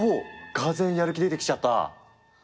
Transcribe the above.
がぜんやる気出てきちゃった？